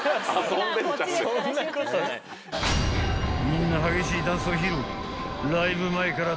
［みんな激しいダンスを披露］